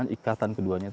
ikatan keduanya itu